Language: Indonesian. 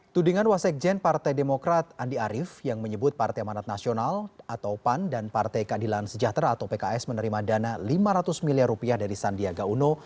tudingan wasekjen partai demokrat andi arief yang menyebut partai manat nasional atau pan dan partai keadilan sejahtera atau pks menerima dana lima ratus miliar rupiah dari sandiaga uno